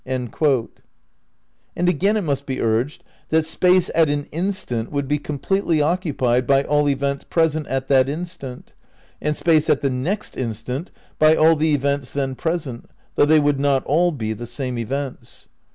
' And again it must be urged that Space at an instant would be completely occupied by all events present at that instant, and Space at the next instant by all the events then present, though they would not all be the same events.